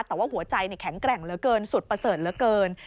แต่ว่าหัวใจแข็งแกร่งเหลือเกินสุดประเสริฐเหลือเกิน